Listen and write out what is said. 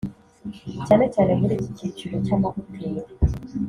cyane cyane muri iki kiciro cy’amahoteli